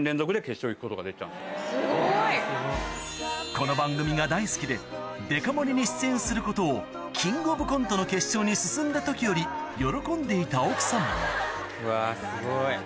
この番組が大好きでデカ盛りに出演することを『キングオブコント』の決勝に進んだ時より喜んでいた奥様にうわすごい。